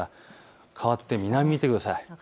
かわって南、見てください。